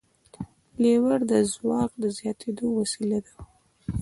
لیور د ځواک د زیاتېدو وسیله ده.